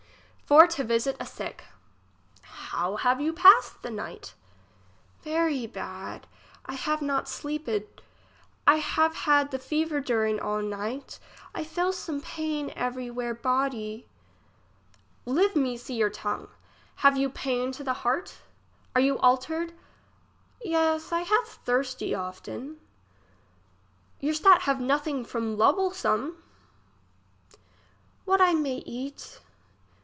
For to visit a sick. How have you passed the night ? Very bad. I have not sleeped ; I have had the fever during all night. I fell some pain every where body. Live me see your tongue. Have you pain to the heart ? Are you altered ? Yes, I have thursty often. Your stat have nothing from Irouble some. What I may to eat